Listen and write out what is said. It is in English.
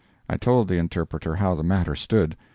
I told the interpreter how the matter stood.